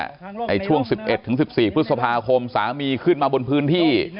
ในช่วงสิบเอ็ดถึงสิบสี่พฤษภาคมสามีขึ้นมาบนพื้นที่